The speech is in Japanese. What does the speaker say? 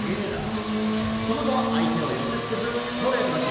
その後は相手を寄せ付けずストレート勝ち。